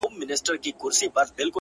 o رب دي سپوږمۍ كه چي رڼا دي ووينمه ـ